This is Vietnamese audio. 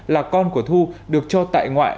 là con của thu được cho tại ngoại